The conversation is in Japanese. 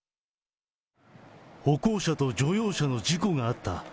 歩行者と乗用車の事故があった。